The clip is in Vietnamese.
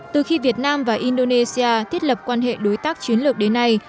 từ khi việt nam và indonesia thiết lập quan hệ đối tác chiến lược đến nay